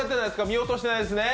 見落としてないですね。